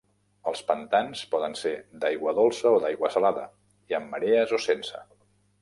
Els pantans poden ser d'aigua dolça o d'aigua salada, i amb marees o sense.